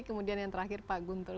kemudian yang terakhir pak guntur